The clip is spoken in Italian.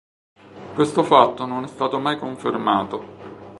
Questo fatto non è stato mai confermato.